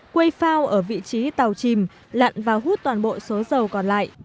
quây phao ở vị trí tàu chìm lặn và hút toàn bộ số dầu còn lại